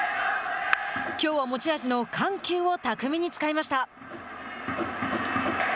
きょうは持ち味の緩急を巧みに使いました。